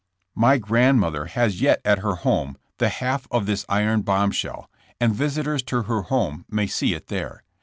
'' My grandmother has yet. at her home the half of this iron bomb shell, and visitors to her home may see it there.